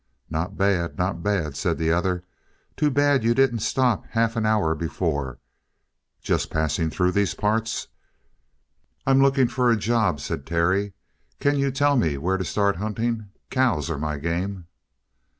"Not bad, not bad," said the other. "Too bad you didn't stop half an hour before. Just passing through these parts?" "I'm looking for a job," said Terry. "Can you tell me where to start hunting? Cows are my game."